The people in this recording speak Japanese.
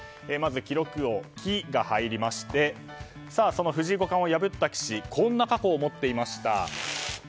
まず記録王の「キ」が入りましてその藤井五冠を破った棋士はこんな過去を持っていました。